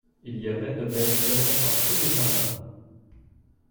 Il y avait de belles fleurs dans tous les jardins.